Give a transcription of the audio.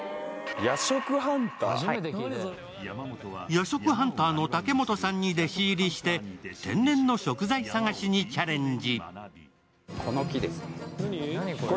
野食ハンターの茸本さんに弟子入りして天然の食材探しにチャレンジ。